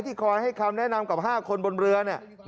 ที่คอยให้คำแนะนำกับ๕คนบนเรือ